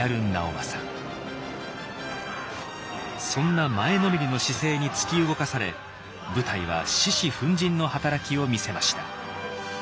そんな前のめりの姿勢に突き動かされ部隊は獅子奮迅の働きを見せました。